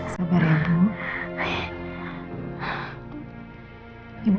sabar ya ibu